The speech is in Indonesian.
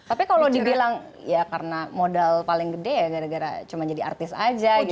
tapi kalau dibilang ya karena modal paling gede ya gara gara cuma jadi artis aja gitu